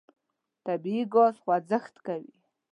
طبیعي ګاز خوځښت کوي.